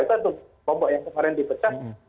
itu ada bom bom yang kemarin dipecah